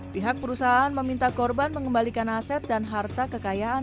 pihak perusahaan meminta korban mengembalikan aset dan harta kekayaan